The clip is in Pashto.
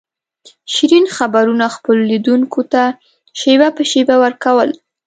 شیرین خبرونه خپلو لیدونکو ته شېبه په شېبه ور کول.